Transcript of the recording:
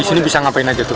di sini bisa ngapain aja tuh